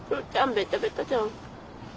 べたべたじゃん。